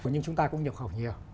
nhưng chúng ta cũng nhập khẩu nhiều